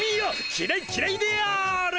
きれいきれいである！